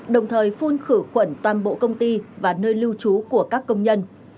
đồng thời phun khử khuẩn toàn bộ công ty và nơi lưu trú của các công nhân